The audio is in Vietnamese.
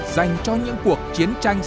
dành cho những cuộc chiến tranh